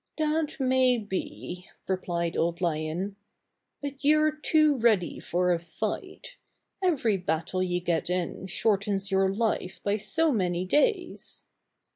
"That may be," replied Old Lion, "but you're too ready for a fight. Every battle you get in shortens your life by so many days."